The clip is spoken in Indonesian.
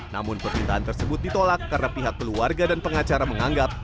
namun permintaan tersebut ditolak karena pihak keluarga dan pengacara menganggap